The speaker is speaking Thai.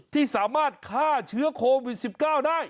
ที่สามารถฆ่าเชื้อโควิด๑๙ได้